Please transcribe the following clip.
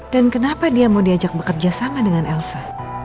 dan kenapa dia mau diajak bekerja sama dengan elsa